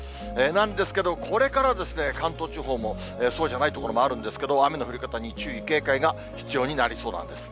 なんですけど、これから関東地方もそうじゃない所もあるんですけど、雨の降り方に注意、警戒が必要になりそうなんです。